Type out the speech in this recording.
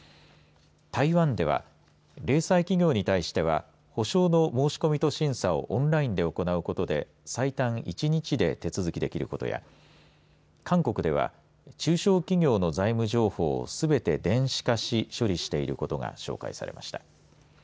台湾では零細企業に対しては保証の申し込みと審査をオンラインで行うことで最短１日で手続きできることや韓国では中小企業の財務情報をすべて電子化し処理していることが紹介されました。